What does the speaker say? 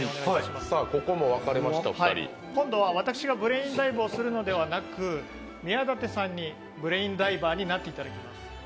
今度は私がブレインダイブをするのではなく宮舘さんにブレインダイバーになっていただきます。